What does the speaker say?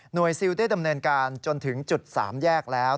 ซิลได้ดำเนินการจนถึงจุด๓แยกแล้ว